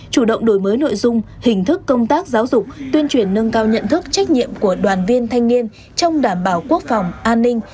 chủ động đổi mới nội dung hình thức công tác giáo dục tuyên truyền nâng cao nhận thức trách nhiệm của đoàn viên thanh niên trong đảm bảo quốc phòng an ninh